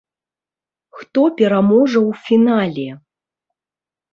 Хто пераможа ў фінале?